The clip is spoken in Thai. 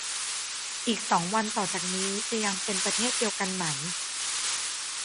อีกสองวันต่อจากนี้จะยังเป็นประเทศเดียวกันไหม